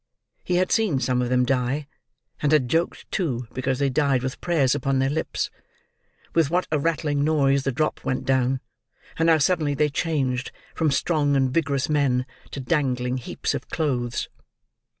He had seen some of them die,—and had joked too, because they died with prayers upon their lips. With what a rattling noise the drop went down; and how suddenly they changed, from strong and vigorous men to dangling heaps of clothes!